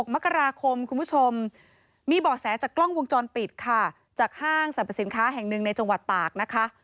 มกราคมคุณผู้ชมมีบ่อแสจากกล้องวงจรปิดค่ะจากห้างสรรพสินค้าแห่งหนึ่งในจังหวัดตากนะคะ